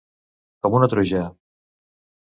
Com una truja.